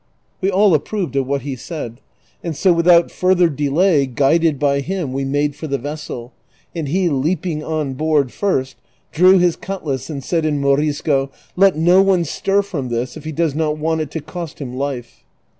We all approved of what he said, and so without further delay, guided by him we made for the vessel, and he leaping on board first, drew his cutlass and said in Morisco, " Let no one stir from this if he does not want it to cost him life."